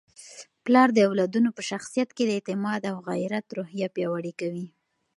پلار د اولادونو په شخصیت کي د اعتماد او غیرت روحیه پیاوړې کوي.